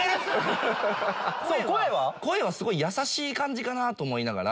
声はすごい優しい感じかなと思いながら。